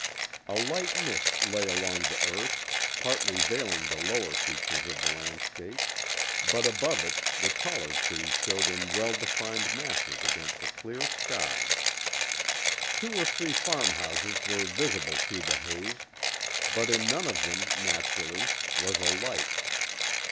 A light mist lay along the earth, partly veiling the lower features of the landscape, but above it the taller trees showed in well defined masses against a clear sky. Two or three farmhouses were visible through the haze, but in none of them, naturally, was a light.